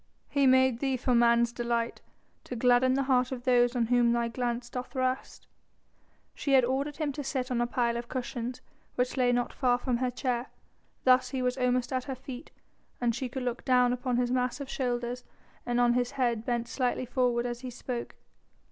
"He made thee for man's delight, to gladden the heart of those on whom thy glance doth rest." She had ordered him to sit on a pile of cushions which lay not far from her chair. Thus was he almost at her feet, and she could look down upon his massive shoulders and on his head bent slightly forward as he spoke.